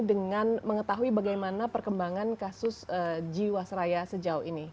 dengan mengetahui bagaimana perkembangan kasus jiwasraya sejauh ini